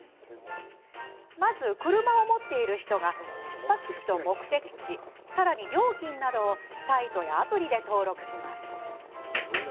まず、車を持っている人が出発地と目的地さらに料金などをサイトやアプリで登録します。